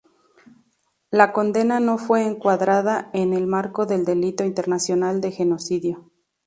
La condena no fue encuadrada en el marco del delito internacional de genocidio.